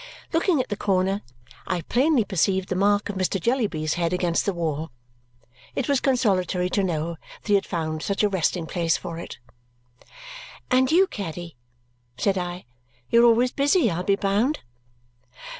Looking at the corner, I plainly perceived the mark of Mr. Jellyby's head against the wall. It was consolatory to know that he had found such a resting place for it. "And you, Caddy," said I, "you are always busy, I'll be bound?"